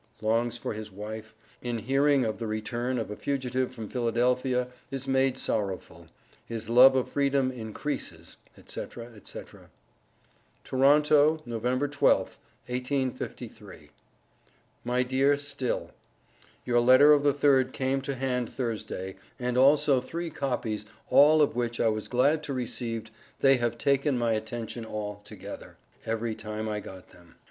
_Longs for his wife In hearing of the return of a Fugitive from Philadelphia is made sorrowful His love of Freedom increases, &c., &c._ TORONTO, November 12th, 1853. MY DEAR STILL: Your letter of the 3th came to hand thursday and also three copes all of which I was glad to Received they have taken my attention all together Every Time I got them.